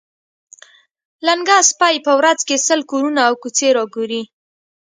لنګه سپۍ په ورځ کې سل کورونه او کوڅې را ګوري.